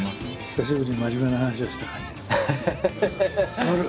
久しぶりに真面目な話をした感じがする。